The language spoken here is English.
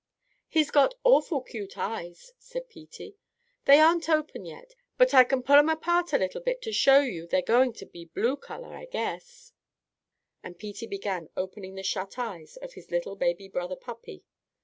"He's got awful cute eyes," said Peetie. "They aren't open yet, but I can pull 'em apart a little bit to show you they're going to be blue color, I guess," and Peetie began opening the shut eyes of his little baby brother puppy.